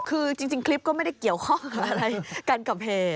คือจริงคลิปก็ไม่ได้เกี่ยวข้องอะไรกันกับเพจ